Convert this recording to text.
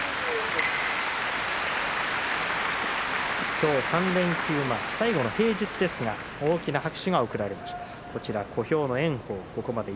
今日、３連休前最後の平日大きな拍手が送られました。